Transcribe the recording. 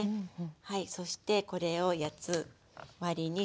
はいそしてこれを八つ割りにします。